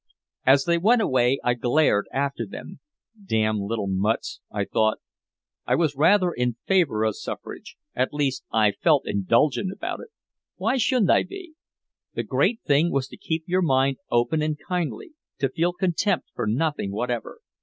As they went away I glared after them. "Damn little muts," I thought. I was rather in favor of suffrage, at least I felt indulgent about it. Why shouldn't I be? The great thing was to keep your mind open and kindly, to feel contempt for nothing whatever.